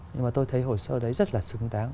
nhưng mà tôi thấy hồ sơ đấy rất là xứng đáng